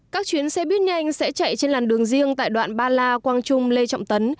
các chuyến xe buýt nhanh sẽ chạy trên làn đường riêng tại đoạn ba la quang trung lê trọng tấn